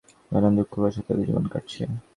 নানান দুঃখ-কষ্টে তাঁদের জীবন কাটছে।